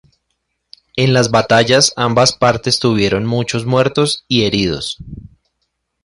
En las batallas ambas partes tuvieron muchos muertos y heridos.